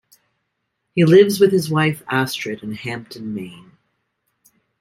He lives with his wife Astrid in Hampden, Maine.